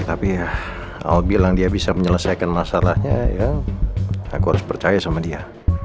tapi ya allah bilang dia bisa menyelesaikan masalahnya ya aku harus percaya sama dia